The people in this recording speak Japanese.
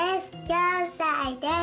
４さいです。